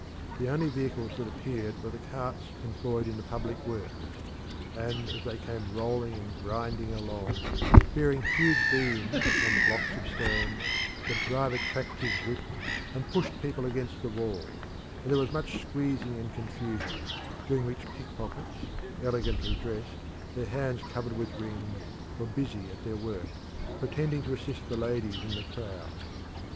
The only vehicles that appeared were the carts employed in the public works; and as they came rolling and grinding along, bearing huge beams and blocks of stone, the driver cracked his whip and pushed people against the wall, and there was much squeezing and confusion, during which pickpockets, elegantly dressed, their hands covered with rings, were busy at their work, pretending to assist the ladies in the crowd.